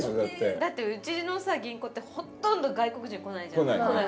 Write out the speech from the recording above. だってうちの銀行ってほっとんど外国人来ないじゃん。来ないね。